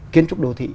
kiến trúc đô thị